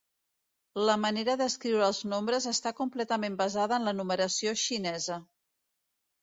La manera d'escriure els nombres està completament basada en la numeració xinesa.